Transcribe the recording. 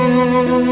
mendengar kamu ngaji